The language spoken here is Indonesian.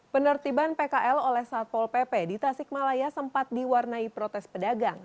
penertiban pkl oleh satpol pp di tasikmalaya sempat diwarnai protes pedagang